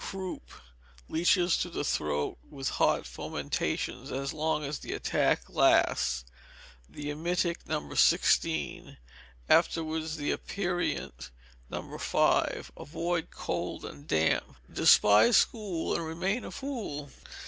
Croup. Leeches to the throat, with hot fomentations as long as the attack lasts; the emetic, No. 16, afterwards the aperient, No. 5. Avoid cold and damp. [DESPISE SCHOOL AND REMAIN A FOOL.